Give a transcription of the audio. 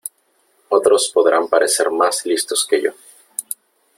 Otros podrán parecer más listos que yo